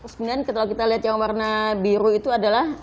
sebenarnya kalau kita lihat yang warna biru itu adalah